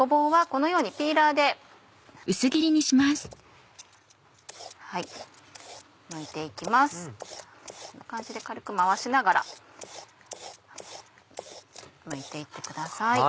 こんな感じで軽く回しながらむいて行ってください。